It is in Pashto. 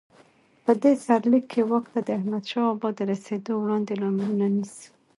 په دې سرلیک کې واک ته د احمدشاه بابا د رسېدو وړاندې لاملونه نیسو.